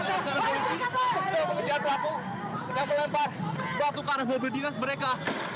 ini adalah pekerjaan teraku yang melempar batu ke arah mobil dinas mereka